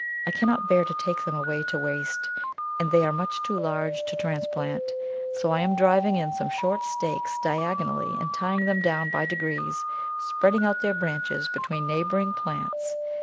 I cannot bear to take them away to waste, and they are much too large to transplant, so I am driving in some short stakes diagonally and tying them down by degrees, spreading out their branches between neighbouring plants.